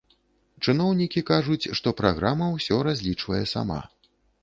Чыноўнікі кажуць, што праграма ўсё разлічвае сама.